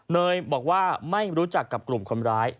เนยบอกว่าไม่รู้จักกับกลุ่มคนร้าย